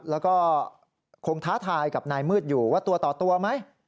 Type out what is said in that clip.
แล้วก็คงท้าทายกับนายมืดอยู่ว่าตัวต่อตัวไหม